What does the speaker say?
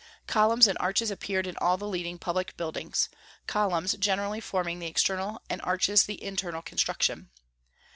Columns and arches appeared in all the leading public buildings, columns generally forming the external and arches the internal construction.